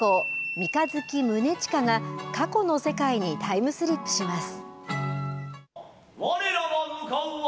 三日月宗近が過去の世界にタイムスリップします。